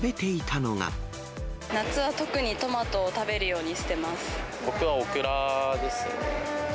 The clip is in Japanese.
夏は特にトマトを食べるよう僕はオクラですね。